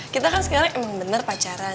kita kan sekarang emang bener pacaran